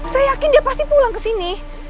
saya yakin dia pasti pulang kesini